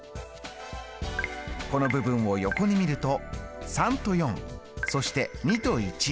この部分を横に見ると３と４そして２と１。